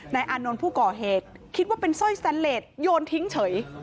ในอนนลปภเกาะเหตุคิดว่าเป็นสร้อยสั้นเลสโยนทิ้งเฉย